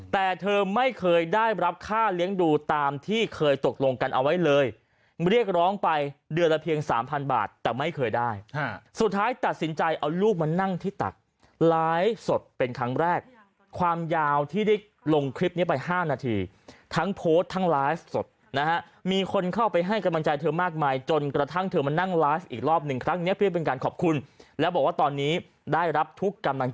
แต่เธอไม่เคยได้รับค่าเลี้ยงดูตามที่เคยตกลงกันเอาไว้เลยเรียกร้องไปเดือนละเพียงสามพันบาทแต่ไม่เคยได้สุดท้ายตัดสินใจเอาลูกมานั่งที่ตักไลฟ์สดเป็นครั้งแรกความยาวที่ได้ลงคลิปนี้ไป๕นาทีทั้งโพสต์ทั้งไลฟ์สดนะฮะมีคนเข้าไปให้กำลังใจเธอมากมายจนกระทั่งเธอมานั่งไลฟ์อีกรอบหนึ่งครั้งเนี้ยเพื่อเป็นการขอบคุณแล้วบอกว่าตอนนี้ได้รับทุกกำลัง